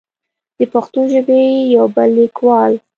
د پښتو ژبې يو بل ليکوال